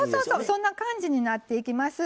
そんな感じになっていきます。